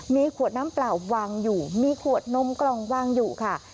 มีขวดน้ำเปล่าวางอยู่มีขวดนมกล่องวางอยู่ค่ะ